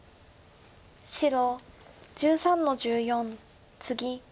白１３の十四ツギ。